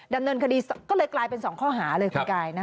ดำเนินคดีก็เลยกลายเป็น๒ข้อหาเลยคุณกายนะ